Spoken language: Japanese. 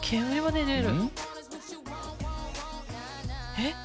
えっ？